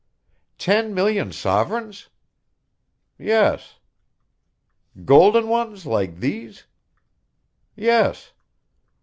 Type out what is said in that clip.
"Ten million sovereigns?" "Yes." "Golden ones, like these?" "Yes."